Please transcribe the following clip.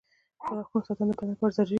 • د غاښونو ساتنه د بدن لپاره ضروري ده.